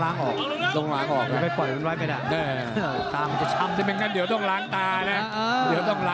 เป็นอย่างงั้นเดี๋ยวต้องล้างตานะ